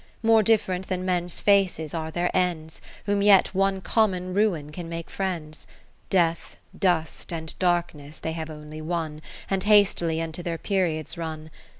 . More different than men's faces are their ends. Whom yet one common ruin can maice friends. 20 Death, dust and darkness they have only won. And hastily unto their periods run.